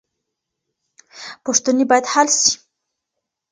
پوښتنې بايد حل سي.